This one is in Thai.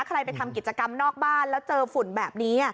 ใครไปทำกิจกรรมนอกบ้านแล้วเจอฝุ่นแบบนี้